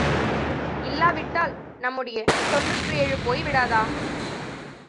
இல்லாவிட்டால் நம்முடைய தொன்னூற்றேழு போய் விடாதா?